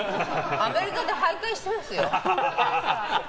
アメリカで徘徊してますよ。